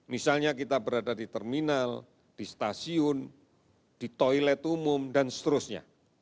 misalnya kita berada di terminal di stasiun di toilet umum dan seterusnya